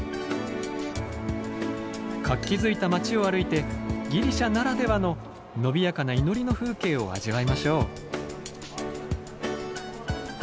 活気づいた街を歩いてギリシャならではの伸びやかな祈りの風景を味わいましょう。